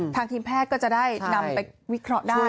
ทางทีมแพทย์ก็จะได้นำไปวิเคราะห์ได้